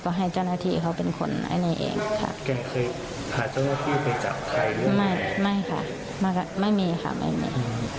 แกอาจจะเป็นปัญหาที่ทำให้เขาเดือดร้อนได้